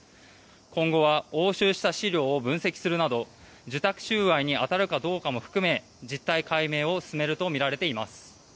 今後は押収した資料を分析するなど受託収賄に当たるかどうかも含め実態解明を進めるとみられています。